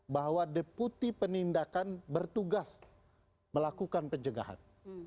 bahwa deputi penindakan bertugas melakukan pencegahan